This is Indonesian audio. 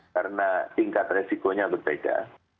karena tingkat resikonya berbeda